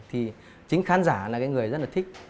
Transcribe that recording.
thì chính khán giả là cái người rất là thích